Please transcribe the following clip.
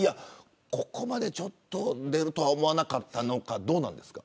ここまで出るとは思わなかったのか、どうですか。